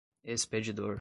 expedidor